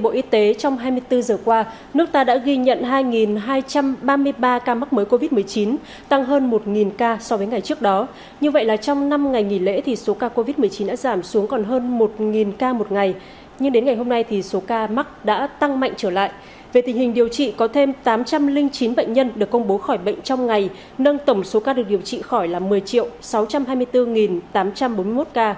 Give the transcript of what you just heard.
bệnh nhân được công bố khỏi bệnh trong ngày nâng tổng số ca được điều trị khỏi là một mươi sáu trăm hai mươi bốn tám trăm bốn mươi một ca